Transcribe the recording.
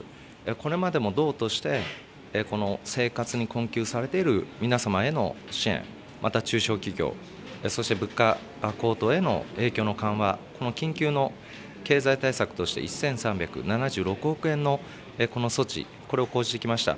これまでも道として、この生活に困窮されている皆様への支援、また中小企業、そして物価高騰への影響の緩和、この緊急の経済対策として、１３７６億円のこの措置、これを講じてきました。